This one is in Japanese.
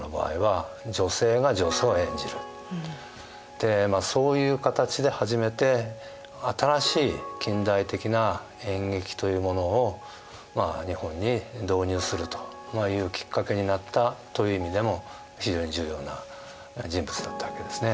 でそういう形で初めて新しい近代的な演劇というものを日本に導入するというきっかけになったという意味でも非常に重要な人物だったわけですね。